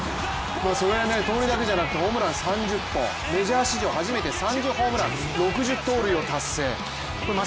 盗塁だけじゃなくてホームラン３０本メジャー史上初めて３０ホームラン、６０盗塁を達成。